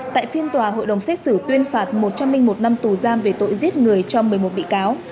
tại phiên tòa hội đồng xét xử tuyên phạt một trăm linh một năm tù giam về tội giết người cho một mươi một bị cáo